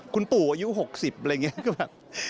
คุณปู่อายุ๖๐อะไรอย่างนี้ก็แบบ